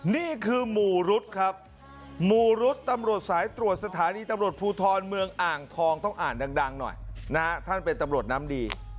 นี่คือหมู่รุ๊ดครับหมู่รุ๊ดตำรวจสายตรวจสถานีตำรวจภูทรเมืองอ่างทองต้องอ่านดังหน่อยนะฮะท่านเป็นตำรวจน้ำดี